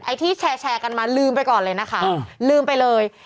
ที่แชร์กันมาลืมไปก่อนเลยนะคะลืมไปเลย